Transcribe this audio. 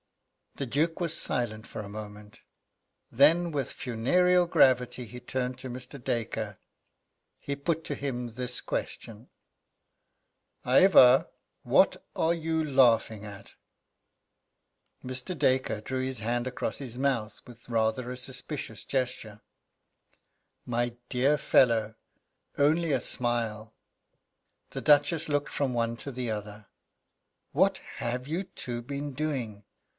The Duke was silent for a moment. Then, with funereal gravity, he turned to Mr. Dacre. He put to him this question: "Ivor, what are you laughing at?" Mr. Dacre drew his hand across his mouth with rather a suspicious gesture: "My dear fellow, only a smile!" The Duchess looked from one to the other: "What have you two been doing?